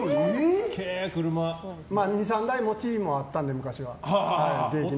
２３台持ちもあったんで、昔は。